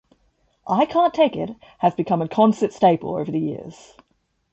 "I Can't Take It" has become a concert staple over the years.